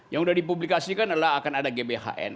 yang sudah dipublikasikan adalah akan ada gbhn